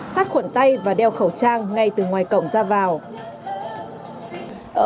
sát khuẩn tay và đeo khẩu trang ngay từ ngoài cổng ra vào